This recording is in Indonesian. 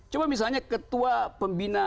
coba misalnya ketua pembina